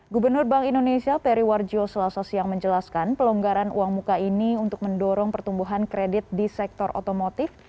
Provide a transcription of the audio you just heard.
gubernur bank indonesia periwarjo selasa siang menjelaskan pelonggaran uang muka ini untuk mendorong pertumbuhan kredit di sektor otomotif